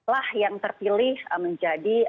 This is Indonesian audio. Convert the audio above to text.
lah yang terpilih menjadi